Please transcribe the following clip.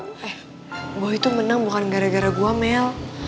eh gue itu menang bukan gara gara gue mel